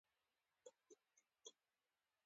ازادي راډیو د چاپیریال ساتنه ته پام اړولی.